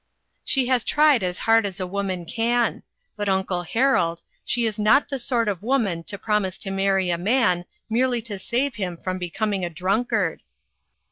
" She has tried as hard as a woman can. But, Uncle Harold, she is not the sort of woman to promise to marry a man merely to save him from becoming a drunkard."